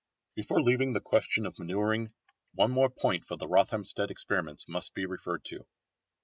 Before leaving the question of manuring one more point from the Rothamsted experiments must be referred to.